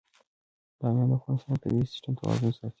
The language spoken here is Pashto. بامیان د افغانستان د طبعي سیسټم توازن ساتي.